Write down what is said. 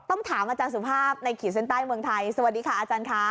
ต้องถามอาจารย์สุภาพในขีดเส้นใต้เมืองไทยสวัสดีค่ะอาจารย์ค่ะ